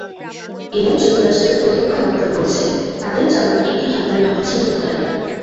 এবার যুক্তরাষ্ট্রের প্রতিরক্ষা দপ্তর বলছে, তাদের চালানো একটি হামলার লক্ষ্য ছিল মোক্তার।